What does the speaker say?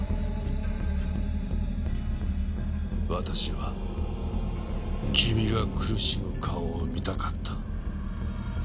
私は君が苦しむ顔を見たかった。